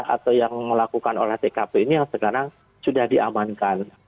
atau yang melakukan olah tkp ini yang sekarang sudah diamankan